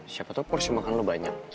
siapa tahu porsi makan lo banyak